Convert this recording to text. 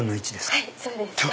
はいそうです。